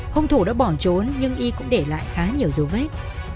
hung thủ đã bỏ trốn nhưng y cũng để lại khá nhiều dấu vết